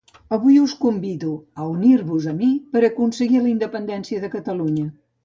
Avui us convido a unir-vos a mi per aconseguir la independència de Catalunya